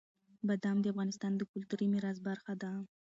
بادام د افغانستان د کلتوري میراث برخه ده.